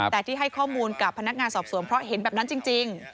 แต่ที่ให้ข้อมูลกับพนักงานสอบสวนเพราะเห็นแบบนั้นจริง